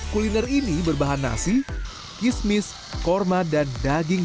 kuliner ini berbahan nasi kismis kurma dan daging